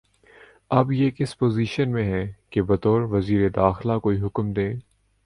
اب یہ کس پوزیشن میں ہیں کہ بطور وزیر داخلہ کوئی حکم دیں